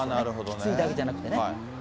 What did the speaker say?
きついだけじゃなくてね。